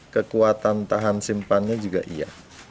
kekuatan tahan simpannya juga iya